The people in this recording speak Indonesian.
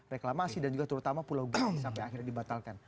reklamasi dan juga terutama pulau g sampai akhirnya dibatalkan